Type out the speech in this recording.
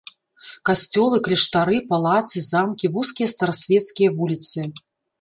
Касцёлы, кляштары, палацы, замкі, вузкія старасвецкія вуліцы.